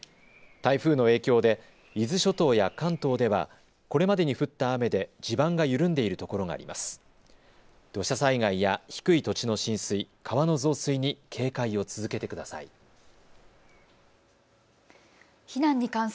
台風の影響で伊豆諸島や関東ではこれまでに降った雨で地盤が緩んでいるところがあります。